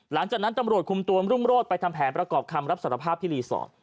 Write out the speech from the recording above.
หลังจากนั้นตำรวจคุมตัวรุ่งโรศไปทำแผนประกอบคำรับสารภาพที่รีสอร์ท